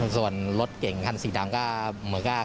ส่วนรถเก่งคันสีดำก็เหมือนกับ